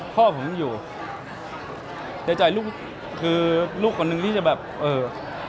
พ่อผมอยู่ในใจลูกคือลูกคนนึงที่จะแบบเออ